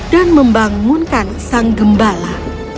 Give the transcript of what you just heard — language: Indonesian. dan membangunkan sang gembala